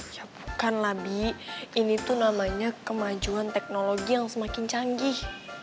ya bukanlah bi ini tuh namanya kemajuan teknologi yang semakin canggih